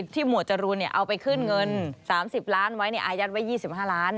หมวดจรูนเอาไปขึ้นเงิน๓๐ล้านไว้อายัดไว้๒๕ล้าน